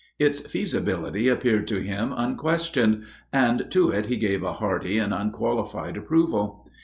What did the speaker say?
Its feasibility appeared to him unquestioned, and to it he gave a hearty and unqualified approval.